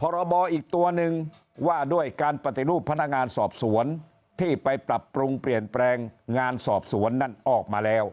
พรบอีกตัวหนึ่งว่าด้วยการปฏิรูปพนักงานสอบสวนที่ไปปรับปรุงเปลี่ยนแปลงงานสอบสวนนั่นออกมาแล้ว